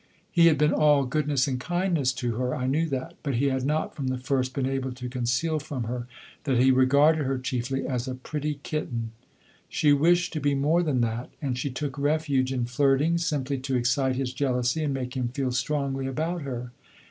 He had been all goodness and kindness to her, I knew that; but he had not, from the first, been able to conceal from her that he regarded her chiefly as a pretty kitten. She wished to be more than that, and she took refuge in flirting, simply to excite his jealousy and make him feel strongly about her.